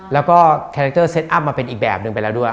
แล้วก็คาแรคเตอร์เซ็ตอัพมาเป็นอีกแบบหนึ่งไปแล้วด้วย